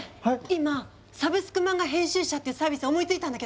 今「サブスクマンガ編集者」っていうサービス思いついたんだけど。